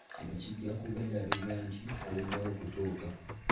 Kino kijja kubeerabiza nti oluddewo okutuuka.